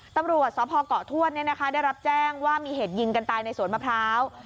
ตำรวจสพเกาะทวดได้รับแจ้งว่ามีเหตุยิงกันตายในสวนมะพร้าว